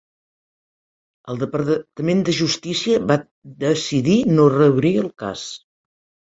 El Departament de Justícia va decidir no reobrir el cas.